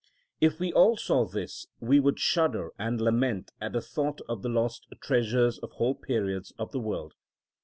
If we saw all this, we would shudder and lament at the thought of the lost treasures of whole periods of the world.